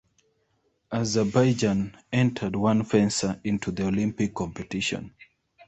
Azerbaijan entered one fencer into the Olympic competition.